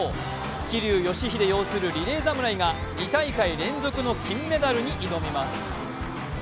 桐生祥秀擁するリレー侍が２大会連続の金メダルに挑みます。